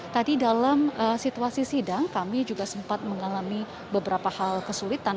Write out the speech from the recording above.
tadi dalam situasi sidang kami juga sempat mengalami beberapa hal kesulitan